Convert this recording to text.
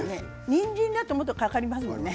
にんじんだともっとかかりますね。